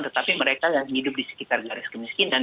tetapi mereka yang hidup di sekitar garis kemiskinan